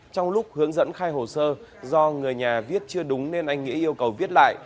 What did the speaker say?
trong lúc hướng dẫn khai hồ sơ do người nhà viết chưa đúng nên anh nghĩa yêu cầu viết lại